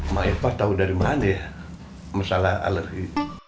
mahirpa tau dari mana ya masalah alergi